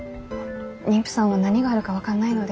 妊婦さんは何があるか分かんないので。